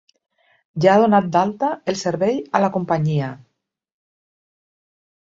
Ja ha donat d'alta el servei a la companyia?